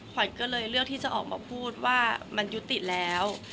ขวัญก็เลยเลือกที่จะออกมาพูดว่ามันยุติแล้ว